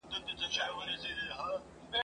لا یې ښه تر زامي نه وه رسولې ..